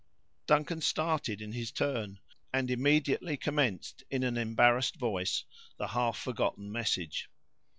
Duncan started in his turn, and immediately commenced in an embarrassed voice, the half forgotten message.